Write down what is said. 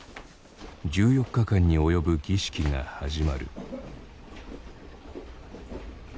１４日間に及ぶ儀式が始まる。